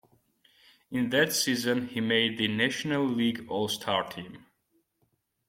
In that season, he made the National League All-Star team.